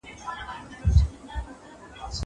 زه به اوږده موده کتابتوننۍ سره وخت تېره کړی وم.